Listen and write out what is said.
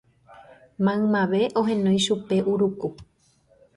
maymave ohenói chupe Uruku